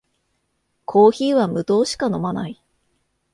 コーヒーは無糖しか飲まない